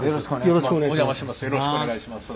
よろしくお願いします。